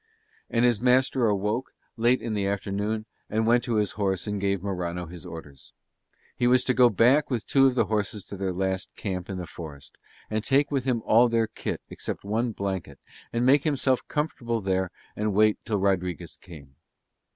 And his master awoke, late in the afternoon, and went to his horse and gave Morano his orders. He was to go back with two of the horses to their last camp in the forest and take with him all their kit except one blanket and make himself comfortable there and wait till Rodriguez came.